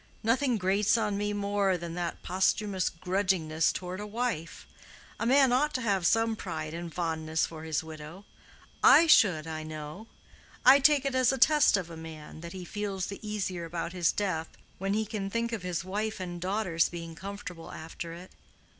Nothing grates on me more than that posthumous grudgingness toward a wife. A man ought to have some pride and fondness for his widow. I should, I know. I take it as a test of a man, that he feels the easier about his death when he can think of his wife and daughters being comfortable after it.